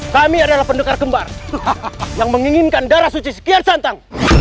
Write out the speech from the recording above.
kami adalah pendekar kembar yang menginginkan darah suci sekian santang